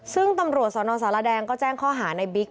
ซึ่งตำรวจสนสารแดงก็แจ้งข้อหาในบิ๊ก